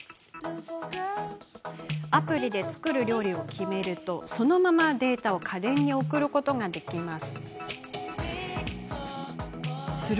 アプリで作る料理を決めるとそのままデータを家電に送ることができます。